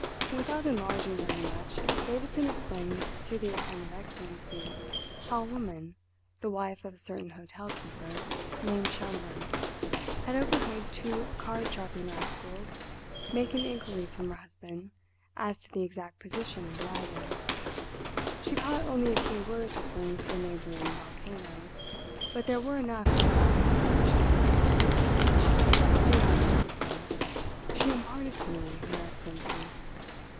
Without enlarging very much, Davidson explained to the attentive Excellency how a woman, the wife of a certain hotel keeper named Schomberg, had overheard two card sharping rascals making inquiries from her husband as to the exact position of the island. She caught only a few words referring to the neighbouring volcano, but there were enough to arouse her suspicions "which," went on Davidson, "she imparted to me, your Excellency.